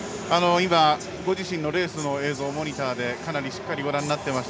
今、ご自身のレースの映像モニターでかなりしっかりご覧になっていました。